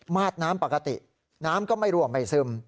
ดน้ำปกติน้ำก็ไม่รั่วไม่ซึม